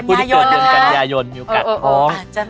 ผู้ที่เกิดเดือนกันยายนมีโอกาสท้อง